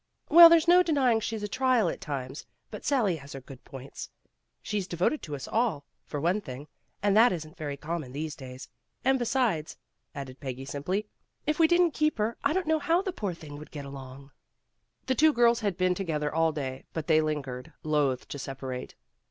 "Well, there's no denying she's a trial at times, but Sally has her good points. She's devoted to us all, for one thing, and that isn't very common these days. And besides, '* added Peggy simply, "if we didn't keep her I don't know how the poor thing would get along." 232 PEGGY RAYMOND'S WAY The two girls had been together all day but they lingered, loath to separate.